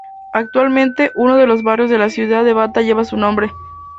Actualmente, uno de los barrios de la ciudad de Bata lleva su nombre.